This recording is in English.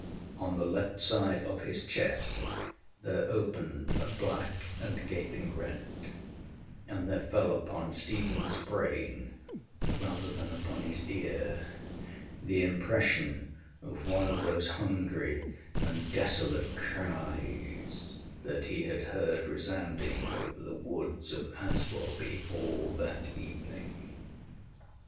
On the left side of his chest there opened a black and gaping rent; and there fell upon StephenŌĆÖs brain, rather than upon his ear, the impression of one of those hungry and desolate cries that he had heard resounding over the woods of Aswarby all that evening.